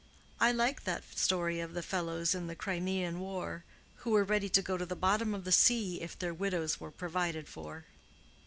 I like that story of the fellows in the Crimean war, who were ready to go to the bottom of the sea if their widows were provided for."